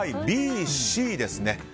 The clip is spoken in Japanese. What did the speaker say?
Ｂ、Ｃですね。